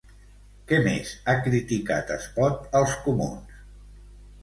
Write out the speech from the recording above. Què més ha criticat Espot als comuns?